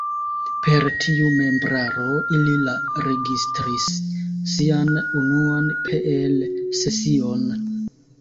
Per tiu membraro ili la registris sian unuan Peel-sesion.